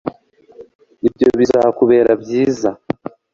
ibyo bizakubera byiza